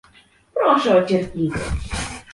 Proszę o cierpliwość